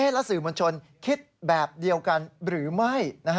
แล้วสื่อมวลชนคิดแบบเดียวกันหรือไม่